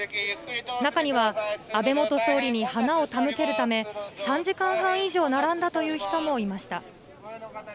中には、安倍元総理に花を手向けるため、３時間半以上並んだという人もいました。